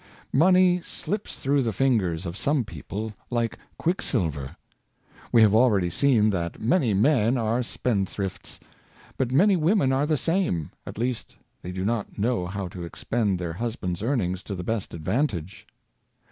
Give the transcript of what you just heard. Money slips through the fingers of some people like quicksilver. We have already seen that many men are spendthrifts. But many women are the same, at least they do not know how to expend their husbands' earnings to the best advantage.